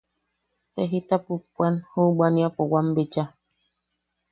Te jita pupuan Jubuaniapo wam bicha.